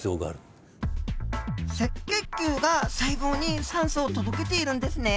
赤血球が細胞に酸素を届けているんですね。